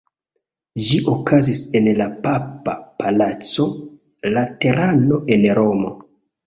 Ĝi okazis en la papa palaco Laterano en Romo.